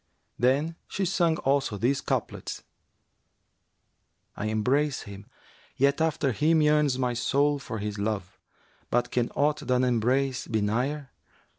Then she sang also these couplets, 'I embrace him, yet after him yearns my soul * For his love, but can aught than embrace be nigher?